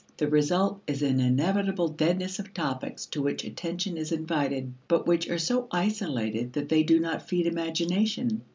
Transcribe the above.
The result is an inevitable deadness of topics to which attention is invited, but which are so isolated that they do not feed imagination.